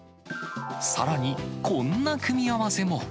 さらに、こんな組み合わせも。